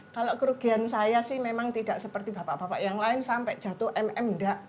kalau kerugian saya sih memang tidak seperti bapak bapak yang lain sampai jatuh mm enggak